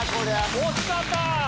惜しかった！